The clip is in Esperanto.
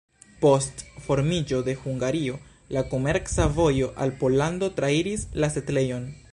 Post formiĝo de Hungario la komerca vojo al Pollando trairis la setlejon.